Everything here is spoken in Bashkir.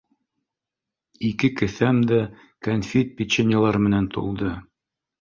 Ике кеҫәм дә кәнфит-печеньелар менән тулды.